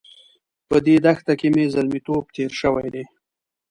په دې دښته کې مې زلميتوب تېر شوی دی.